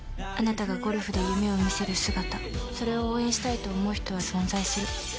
あなたがゴルフで夢を見せる姿それを応援したいと思う人は存在する。